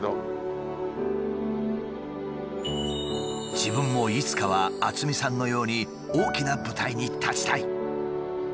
「自分もいつかは渥美さんのように大きな舞台に立ちたい」。